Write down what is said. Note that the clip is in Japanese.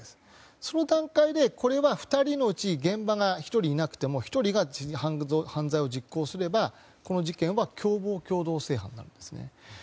その段階で、これは２人のうちの１人が現場にいなくても１人が犯罪を実行すればこの事件は共謀共同正犯なんですね。